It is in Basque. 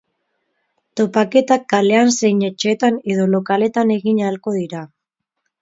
Topaketak kalean zein etxeetan edo lokaletan egin ahalko dira.